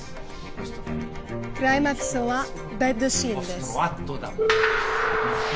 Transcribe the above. クライマックスはベッドシーンです。